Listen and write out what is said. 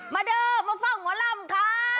มาเด้อมาฟังหัวล่ำค่ะ